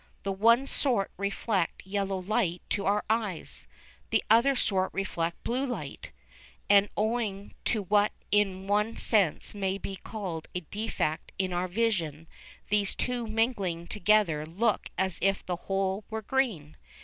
The one sort reflect yellow light to our eyes, the other sort reflect blue light, and owing to what in one sense may be called a defect in our vision, these two mingling together look as if the whole were green.